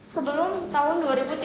sebelum tahun dua ribu tiga puluh